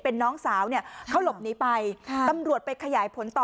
เป็นน้องสาวเนี่ยเขาหลบหนีไปค่ะตำรวจไปขยายผลต่อ